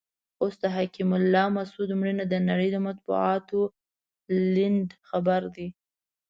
اوس د حکیم الله مسود مړینه د نړۍ د مطبوعاتو لیډ خبر دی.